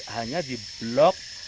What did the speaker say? hanya di blok